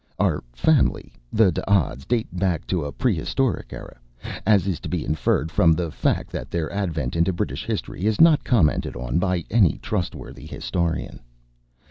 Our family, the D'Odds, date back to a prehistoric era, as is to be inferred from the fact that their advent into British history is not commented on by any trustworthy historian.